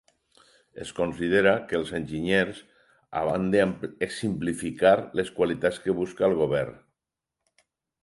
Es considera que els enginyers han d'exemplificar les qualitats que busca el govern.